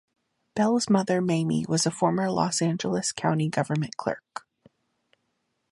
Bell's mother Mamie was a former Los Angeles County government clerk.